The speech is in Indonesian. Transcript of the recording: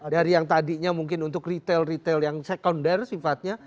dari yang tadinya mungkin untuk retail retail yang sekunder sifatnya